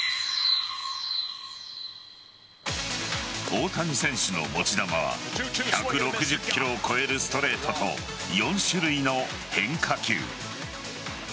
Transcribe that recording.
大谷選手の持ち球は１６０キロを超えるストレートと４種類の変化球。